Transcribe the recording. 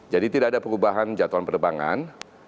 jadi tidak ada perubahan jadwal penerbangan